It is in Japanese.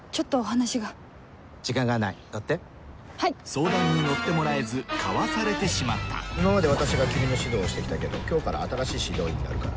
相談に乗ってもらえずかわされてしまった今まで私が君の指導をして来たけど今日から新しい指導員になるから。